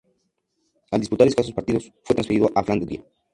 Al disputar escasos partidos, fue transferido a Flandria.